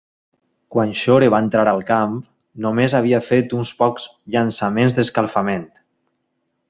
Quan Shore va entrar al camp, només havia fet uns pocs llançaments d'escalfament.